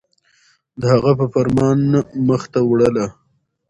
د هغه په فرمان مخ ته وړله